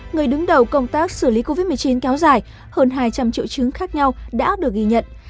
người đứng đầu công tác xử lý covid một mươi chín kéo dài hơn hai trăm linh triệu chứng khác nhau đã được ghi nhận